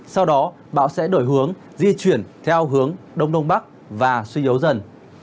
sau đó bão sẽ đổi hướng di chuyển theo hướng đông đông bắc và suy yếu dần